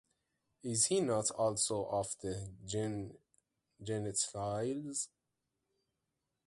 "Is He" not also of the Gentiles?